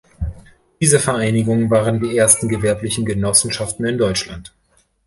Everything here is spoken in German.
Diese Vereinigungen waren die ersten gewerblichen Genossenschaften in Deutschland.